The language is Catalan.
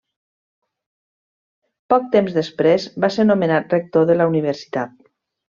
Poc temps després va ser nomenat rector de la universitat.